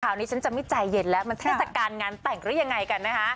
นี้ฉันจะไม่ใจเย็นแล้วมันเทศกาลงานแต่งหรือยังไงกันนะคะ